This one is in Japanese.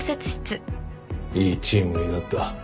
いいチームになった。